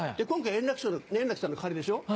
今回円楽さんの代わりでしょ？